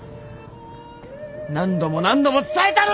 何度も何度も伝えたのに！！